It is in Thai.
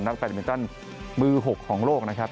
แบตมินตันมือ๖ของโลกนะครับ